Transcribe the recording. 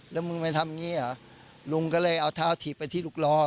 แล้วมึงไปทำอย่างนี้เหรอลุงก็เลยเอาเท้าถีบไปที่ลูกรอ